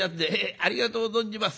ありがとう存じます」。